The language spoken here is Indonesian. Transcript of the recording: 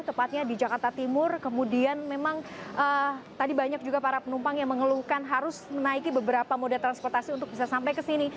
tepatnya di jakarta timur kemudian memang tadi banyak juga para penumpang yang mengeluhkan harus menaiki beberapa moda transportasi untuk bisa sampai ke sini